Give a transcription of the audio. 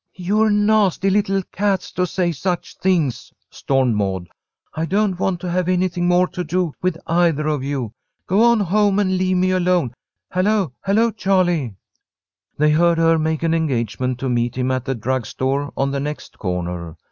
"You're nasty little cats to say such things!" stormed Maud. "I don't want to have anything more to do with either of you. Go on home and leave me alone. Hello! Hello, Charlie!" They heard her make an engagement to meet him at the drug store on the next corner.